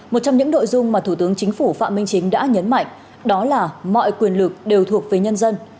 một trong những nội dung mà thủ tướng chính phủ phạm minh chính đã nhấn mạnh đó là mọi quyền lực đều thuộc về nhân dân